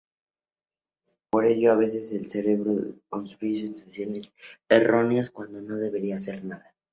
Por ello, a veces el cerebro construye sensaciones erróneas cuando no debería hacer nada.